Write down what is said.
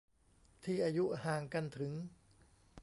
ที่อายุห่างกันถึง